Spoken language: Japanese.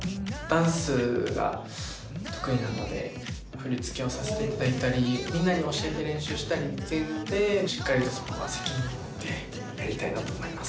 振り付けをさせていただいたりみんなに教えて練習したりっていうのでしっかりとそこは責任を持ってやりたいなと思います。